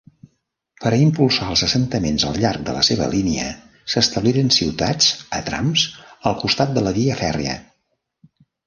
Per a impulsar els assentaments al llarg de la seva línia, s'establiren ciutats a trams al costat de la via fèrria.